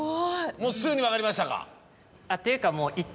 もうすぐに分かりましたか？